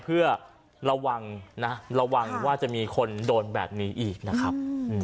เพื่อระวังนะระวังว่าจะมีคนโดนแบบนี้อีกนะครับ